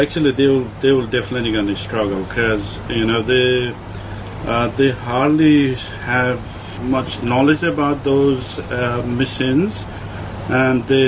sebelumnya mereka akan berjuang karena mereka tidak memiliki pengetahuan tentang mesin mesin itu